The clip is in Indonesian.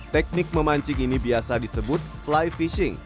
teknik memancing ini biasa disebut fly fishing